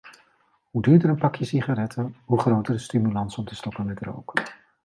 Hoe duurder een pakje sigaretten, hoe groter de stimulans om te stoppen met roken.